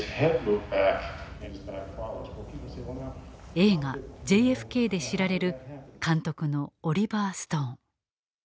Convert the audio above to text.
映画「ＪＦＫ」で知られる監督のオリバー・ストーン。